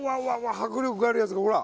迫力あるやつがほら。